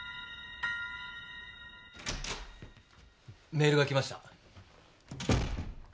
メールが来ました。